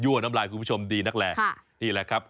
ยั่วน้ำลายคุณผู้ชมดีนักแหละนี่ละครับค่ะ